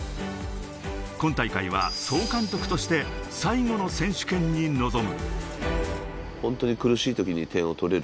今大会は総監督として最後の選手権に臨む。